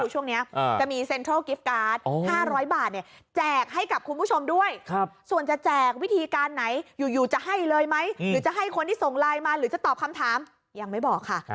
จะให้เลยไหมหรือจะให้คนที่ส่งไลน์มาหรือจะตอบคำถามยังไม่บอกค่ะ